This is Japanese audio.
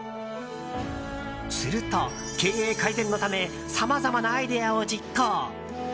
すると、経営改善のためさまざまなアイデアを実行。